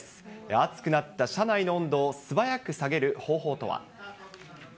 熱くなった車内の温度を素早く下げる方法とは。